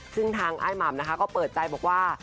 ซึ่งทางอ้ายหม่ำนะคะก็เปิดใจบอกว่า